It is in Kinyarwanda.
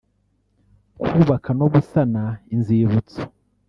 kubaka no gusana inzibutso